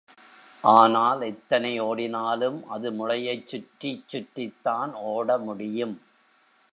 ஆனால் எத்தனை ஓடினாலும் அது முளையைச் சுற்றி சுற்றித்தான் ஓட முடியும்.